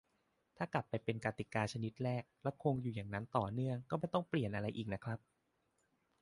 ถ้ากลับไปเป็นกติกาชนิดแรก และคงอยู่อย่างนั้นต่อเนื่อง ก็ไม่ต้องเปลี่ยนอะไรอีกนะครับ